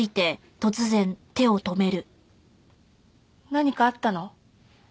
何かあったの？